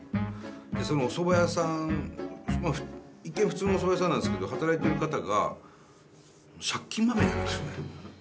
で、そのおそば屋さん一見、普通のおそば屋さんなんですけども、働いてる方が借金まみれなんですよね。